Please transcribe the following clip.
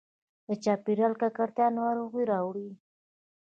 د چاپېریال ککړتیا ناروغي راوړي.